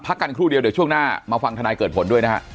กันครู่เดียวเดี๋ยวช่วงหน้ามาฟังธนายเกิดผลด้วยนะฮะ